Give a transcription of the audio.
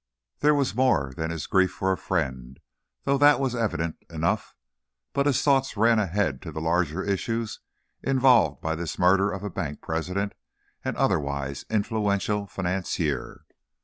There was more than his grief for a friend, though that was evident enough, but his thoughts ran ahead to the larger issues involved by this murder of a bank president and otherwise influential financier.